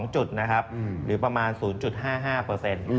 ๒จุดนะครับหรือประมาณ๐๕๕เปอร์เซ็นต์